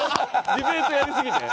ディベートやりすぎて？